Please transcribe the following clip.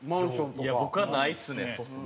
いや僕はないっすね。